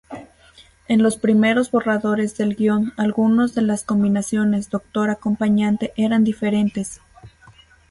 En los primeros borradores del guion, algunos de las combinaciones Doctor-acompañante eran diferentes.